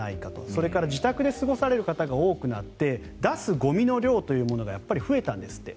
それから自宅で過ごされる方が多くなって出すゴミの量というものが増えたんですって。